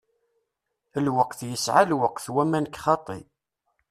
Lweqt yesεa lweqt wamma nekk xaṭi.